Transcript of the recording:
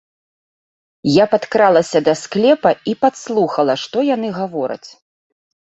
Я падкралася да склепа і падслухала, што яны гавораць.